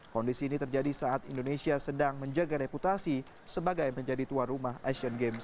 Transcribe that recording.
kondisi ini terjadi saat indonesia sedang menjaga reputasi sebagai menjadi tuan rumah asian games dua ribu delapan belas